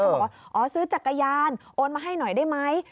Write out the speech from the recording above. บอกว่าอ๋อซื้อจักรยานโอนมาให้หน่อยได้ไหม